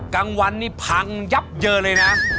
กลางวันนี่พังยับเยินเลยนะ